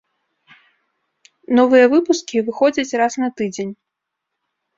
Новыя выпускі выходзяць раз на тыдзень.